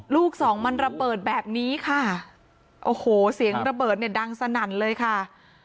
ลูกสองมันระเบิดแบบนี้ค่ะโอ้โหเสียงระเบิดเนี่ยดังสนั่นเลยค่ะ